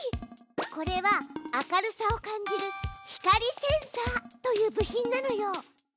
これは明るさを感じる光センサーという部品なのよ。